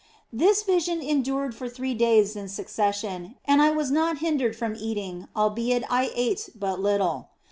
This vision endured for three days in succession, and I was not hindered from eating, albeit I ate but little.